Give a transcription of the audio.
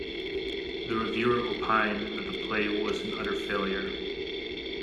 The reviewer opined that the play was an utter failure.